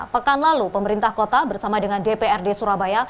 pekan lalu pemerintah kota bersama dengan dprd surabaya